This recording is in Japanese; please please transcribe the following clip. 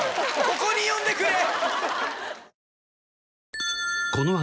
ここに呼んでくれ！